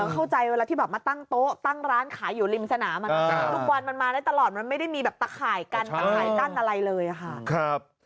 เข้าใจเวลาที่แบบมาตั้งโต๊ะตั้งร้านขายอยู่ริมสนามทุกวันมันมาได้ตลอดมันไม่ได้มีแบบตะข่ายกันตะข่ายกั้นอะไรเลยค่ะ